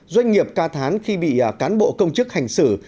doanh nghiệp ca thán khi bị cán bộ công chức hành xử